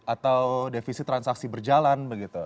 atau defisit transaksi berjalan begitu